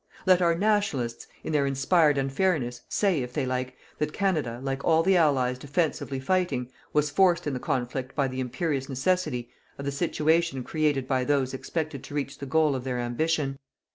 Let our "Nationalists", in their inspired unfairness, say, if they like, that Canada, like all the Allies defensively fighting, was forced in the conflict by the imperious necessity of the situation created by those who expected to reach the goal of their ambition.